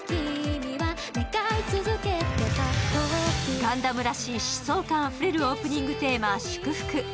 ガンダムらしい疾走感あふれるオープニングテーマ「祝福」。